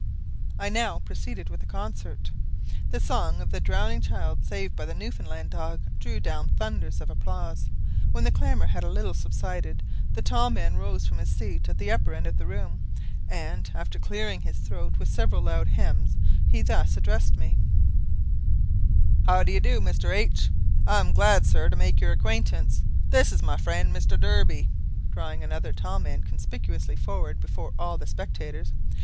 I now proceeded with the concert. The song of the drowning child saved by the Newfoundland dog drew down thunders of applause. When the clamour had a little subsided, a tall man rose from his seat at the upper end of the room, and, after clearing his throat with several loud hems, he thus addressed me, "How do you do, Mr. H ? I am glad, sir, to make your acquaintance. This is my friend, Mr. Derby," drawing another tall man conspicuously forward before all the spectators.